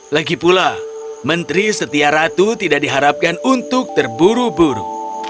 lagi pula menteri setia ratu tidak diharapkan untuk terburu buru